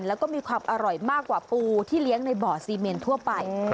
แล้วก็มีความอร่อยมากกว่าปูที่เลี้ยงในบ่อซีเมนทั่วไป